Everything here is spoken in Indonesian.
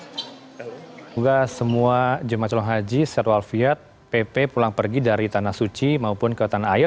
semoga semua jemaah celah haji serwal fiat pp pulang pergi dari tanah suci maupun ke tanah air